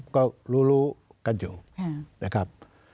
ก็รู้กันอยู่นะครับ